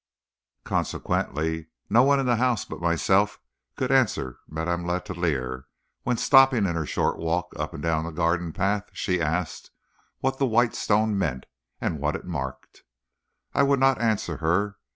Consequently no one in the house but myself could answer Madame Letellier, when, stopping in her short walk up and down the garden path, she asked what the white stone meant and what it marked. I would not answer her.